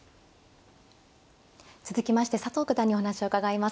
続きまして佐藤九段にお話を伺います。